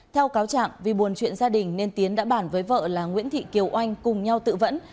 theo cáo trạng vì buồn chuyện gia đình nên tiến đã bản với vợ là nguyễn thị kiều oanh cùng nhau tự vẫn